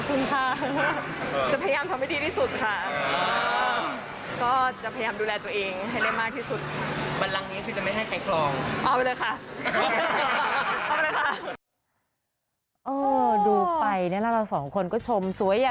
หลายคนขอจำใหม่จะเป็นไทยพ่อของความสวย